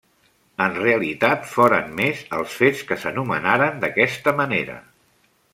En realitat, foren més els fets que s'anomenaren d'aquesta manera.